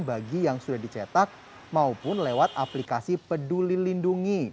bagi yang sudah dicetak maupun lewat aplikasi peduli lindungi